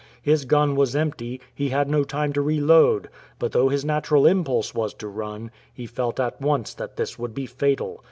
His gun was empty, he had no time to reload ; but though his natural impulse was to run, he felt at once that this would be fatal.